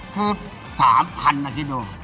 คือ๓ทันอ่ะที่ดู